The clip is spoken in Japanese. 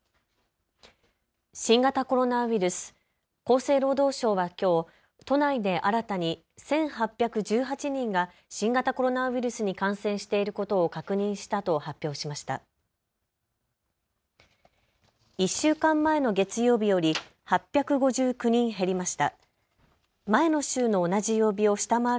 新型コロナウイルス、厚生労働省はきょう都内で新たに１８１８人が新型コロナウイルスに感染していることを確認したと発表しました。